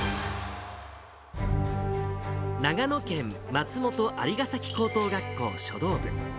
長野県松本蟻ケ崎高等学校書道部。